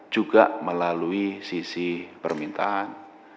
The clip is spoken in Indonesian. juga melalui sisi permintaan